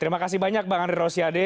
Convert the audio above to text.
terima kasih banyak bang andri rosiade